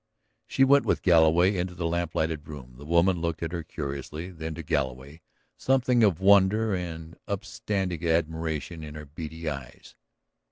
She went with Galloway into the lamplighted room. The woman looked at her curiously, then to Galloway, something of wonder and upstanding admiration in her beady eyes.